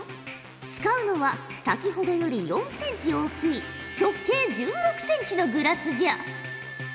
使うのは先ほどより４センチ大きい直径１６センチのグラスじゃ。